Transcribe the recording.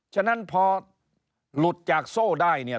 ฉะนั้นพอหลุดจากโซ่ได้เนี่ย